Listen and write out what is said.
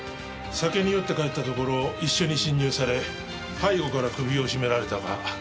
酒に酔って帰ったところを一緒に侵入され背後から首を絞められたか。